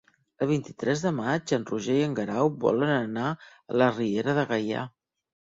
El vint-i-tres de maig en Roger i en Guerau volen anar a la Riera de Gaià.